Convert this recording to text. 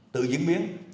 tự diễn biến